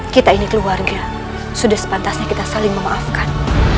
kita ini keluarga sudah sepantasnya kita saling memaafkan